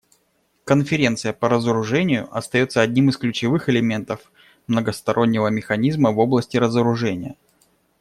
Конференция по разоружению остается одним из ключевых элементов многостороннего механизма в области разоружения.